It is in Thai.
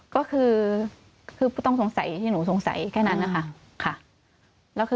ก็คือผู้ต้องสงสัยที่หนูสงสัยแค่นั้นนะคะ